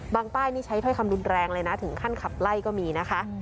ป้ายนี่ใช้ถ้อยคำรุนแรงเลยนะถึงขั้นขับไล่ก็มีนะคะ